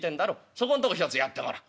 そこんとこひとつやってごらん」。